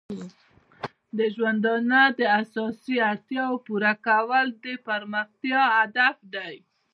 د ژوندانه د اساسي اړتیاو پوره کول د پرمختیا هدف دی.